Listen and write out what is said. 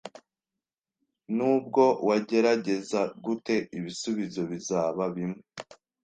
Nubwo wagerageza gute, ibisubizo bizaba bimwe